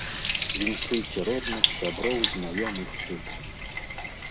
Віншуйце родных, сяброў, знаёмых тут!